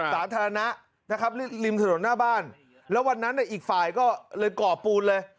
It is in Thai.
สาธารณะนะครับริมถนนหน้าบ้านแล้ววันนั้นอีกฝ่ายก็เลยก่อปูนเลย